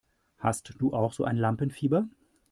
Hast du auch so ein Lampenfieber?